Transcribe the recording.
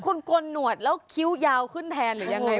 คุณกลหนวดแล้วคิ้วยาวขึ้นแทนหรือยังไง